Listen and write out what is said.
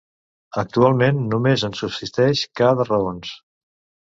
Actualment només en subsisteix ca de Raons.